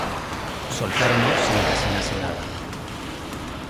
Soltárono sen que asinase nada.